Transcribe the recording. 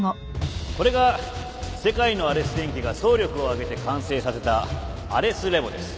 これが世界のアレス電機が総力を挙げて完成させたＡｒｅｓＲｅｖｏです。